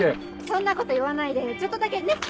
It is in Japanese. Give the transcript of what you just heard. そんなこと言わないでちょっとだけねっ？